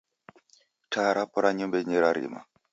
Taa rapo ra nyumbanyi rarima